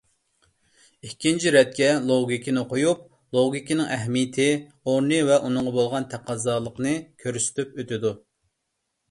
ئىككىنچى رەتكە لوگىكىنى قويۇپ، لوگىكىنىڭ ئەھمىيىتى، ئورنى ۋە ئۇنىڭغا بولغان تەقەززالىقنى كۆرسىتىپ ئۆتىدۇ.